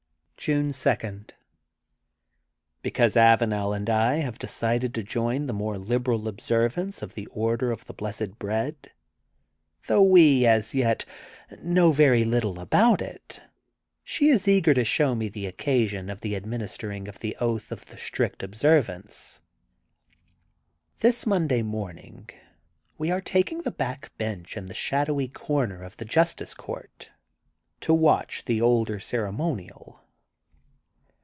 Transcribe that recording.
June 2: — ^Because Avanel and I have de cided to join the more liberal observance of 178 THE GOLDEN BOOK OF SPRINGFIELD the Order of the Blessed Bread, though we, as yet, know little about it, she is eager to show to me the occasion of the administering of the oath of the Strict Observance. This Monday morning we are taking the back bench in the shadowy comer of the justice court to watch the older ceremonial.